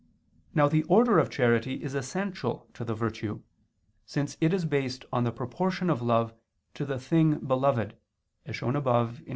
Now the order of charity is essential to the virtue, since it is based on the proportion of love to the thing beloved, as shown above (Q.